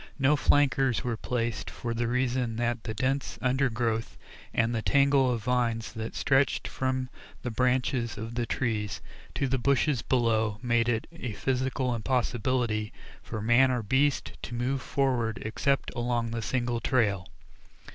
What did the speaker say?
No flankers were placed for the reason that the dense undergrowth and the tangle of vines that stretched from the branches of the trees to the bushes below made it a physical impossibility for man or beast to move forward except along the single trail.